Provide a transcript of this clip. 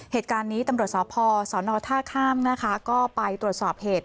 เหตุการณ์นี้ตำรวจสพสนท่าข้ามนะคะก็ไปตรวจสอบเหตุ